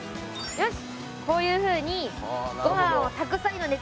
よし。